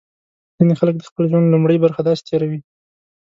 ځینې خلک د خپل ژوند لومړۍ برخه داسې تېروي.